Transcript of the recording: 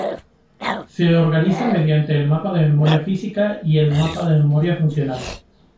Se organiza mediante el mapa de memoria física y el mapa de memoria funcional.